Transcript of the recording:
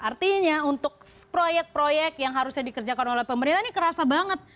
artinya untuk proyek proyek yang harusnya dikerjakan oleh pemerintah ini kerasa banget